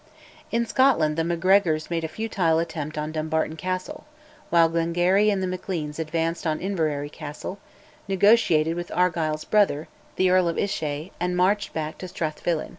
In Scotland the Macgregors made a futile attempt on Dumbarton Castle, while Glengarry and the Macleans advanced on Inveraray Castle, negotiated with Argyll's brother, the Earl of Islay, and marched back to Strathfillan.